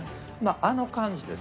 あの感じです。